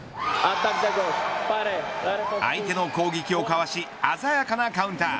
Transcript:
相手の攻撃をかわし鮮やかなカウンター。